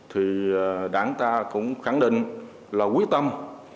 thì đảng ta cũng khẳng định là quyết tâm